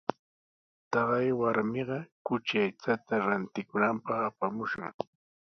Taqay warmiqa kuchi aychata rantikunanpaq apamushqa.